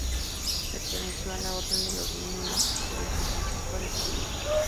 Perteneció a la Orden de los Mínimos de San Francisco de Paula.